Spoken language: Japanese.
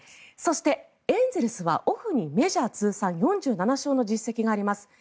そしてエンゼルスはオフにメジャー通算４７勝の実績があります。